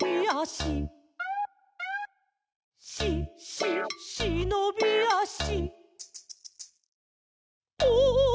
「し・し・しのびあし」